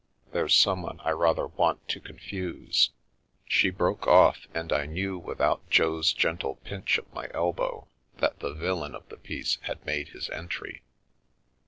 There's someone I rather want to confuse." She broke off, and I knew, without Jo's gentle pinch of my elbow, that the villain of the piece had made his entry.